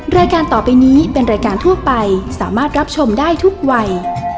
รายการต่อไปนี้เป็นรายการทั่วไปสามารถรับชมได้ทุกวัย